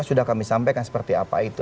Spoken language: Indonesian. sudah kami sampaikan seperti apa itu